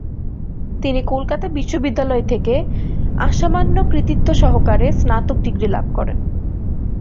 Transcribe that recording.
তিনি কলকাতা বিশ্ববিদ্যালয় থেকে আসামান্য কৃতিত্ব সহকারে স্নাতক ডিগ্রী লাভ করেন।